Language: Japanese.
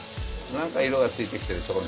何か色がついてきてるでしょ